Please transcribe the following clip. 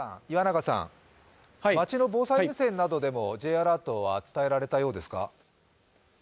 街の防災無線などでもＪアラートは伝えられたようですか？